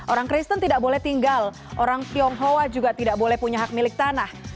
orang kristen tidak boleh tinggal orang tionghoa juga tidak boleh punya hak milik tanah